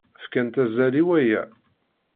Fkant azal i waya.